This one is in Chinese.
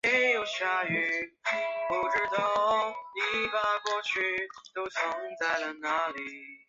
格雷茨卡是德国足球界的新星之一。